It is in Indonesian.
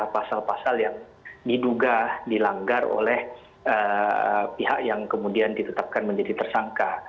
pasal pasal yang diduga dilanggar oleh pihak yang kemudian ditetapkan menjadi tersangka